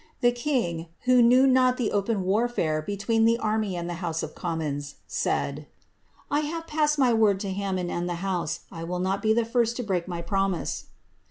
The king, who knew not the open warfare between the anny and House of Commons, said —^ I have passed my word to Hammond and the house ; I will not be the first to break my promise."